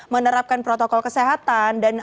menerapkan protokol kesehatan dan